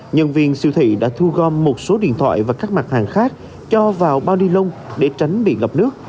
nhân viên siêu thị đã thu gom một số điện thoại và các mặt hàng khác cho vào bao đi lông để tránh bị ngập nước